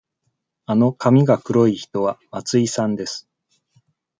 あの髪が黒い人は松井さんです。